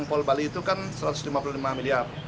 yang pol bali itu kan rp satu ratus lima puluh lima miliar